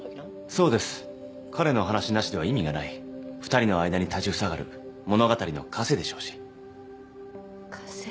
そうです彼の話なしでは意味がない２人の間に立ちふさがる物語のかせでしょうしかせ？